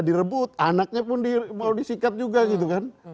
direbut anaknya pun mau disikat juga gitu kan